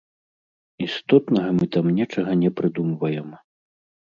Істотнага мы там нечага не прыдумваем.